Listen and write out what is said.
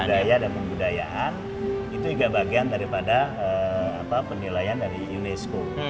pembudayaan dan pembudayaan itu tiga bagian daripada pendilaian dari unesco